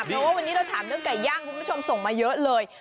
เพราะว่าวันนี้เราถามเรื่องไก่ย่างคุณผู้ชมส่งมาเยอะเลย